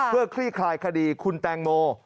เพื่อคลี่คลายคดีคุณแตงโม